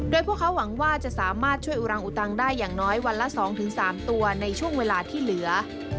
โดยพวกเขาหวังว่าจะสามารถช่วยอุรังอุตังได้อย่างน้อยวันละ๒๓ตัวในช่วงเวลาที่เหลือ